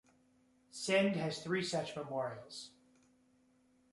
Send has three such memorials.